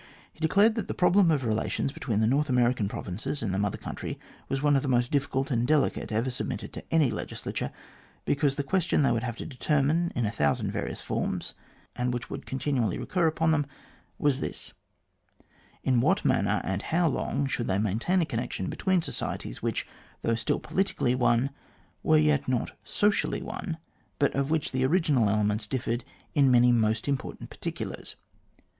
He declared that the problem of the relations between the North American provinces and the Mother Country was one of the most difficult and delicate ever submitted to any legislature, because the question they would have to deter mine in a thousand various forms, and which would con tinually recur upon them, was this in what manner, and how long, should they maintain a connection between societies which, though still politically one, yet were not socially one, but of which the original elements differed in many most important particulars